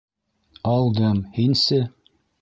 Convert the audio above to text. — Алдым, Һинсе?